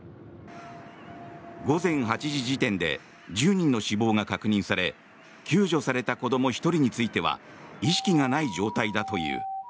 午前８時時点で１０人の死亡が確認され救助された子ども１人については意識がない状態だという。